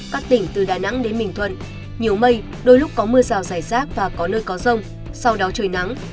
các tỉnh từ đà nẵng đến bình thuận nhiều mây đôi lúc có mưa rào rải rác và có nơi có rông sau đó trời nắng